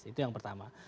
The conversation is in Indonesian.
itu yang pertama